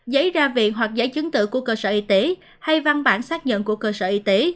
giấy ra viện hoặc giấy chứng tự của cơ sở y tế hay văn bản xác nhận của cơ sở y tế